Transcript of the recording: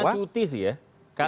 karena cuti sih ya